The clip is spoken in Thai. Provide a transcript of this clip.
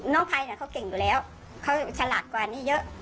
น้องพัยน่ะเค้าเก่งอยู่แล้วเค้าฉลากกว่านี้เยอะ